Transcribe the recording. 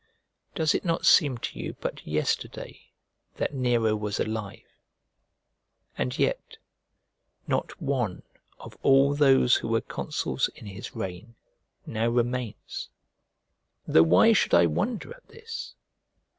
Does it not seem to you but yesterday that Nero was alive? And yet not one of all those who were consuls in his reign now remains! Though why should I wonder at this?